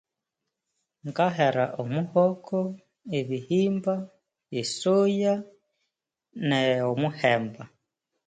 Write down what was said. Ngahera omuhoko ebihimba esoya ne oh omuhemba